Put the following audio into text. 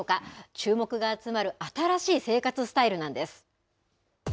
注目が集まる新しい生活スタイルなんです。